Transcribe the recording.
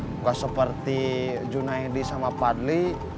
bukan seperti junaidi sama fadli